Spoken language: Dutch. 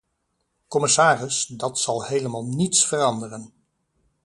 Commissaris, dat zal helemaal niets veranderen.